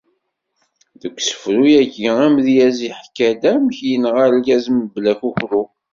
Deg usefru-agi, amedyaz iḥka-d amek yenɣa argaz mebla akukru.